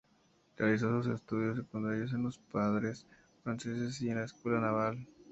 Realizó sus estudios secundarios en los Padres Franceses y en la Escuela Naval.